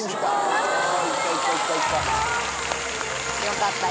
よかった。